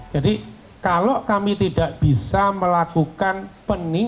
jadi kalau kami tidak bisa melakukan peningkatan pnbp